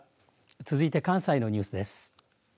続いて関西のニュースです。